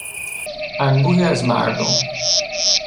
انبوهی از مردم